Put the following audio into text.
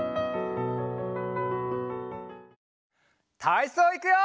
たいそういくよ！